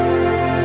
ya udah deh